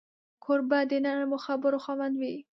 کوربه د نرمو خبرو خاوند وي.